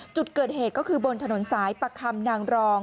จุดเกิดเหตุก็คือบนถนนสายประคำนางรอง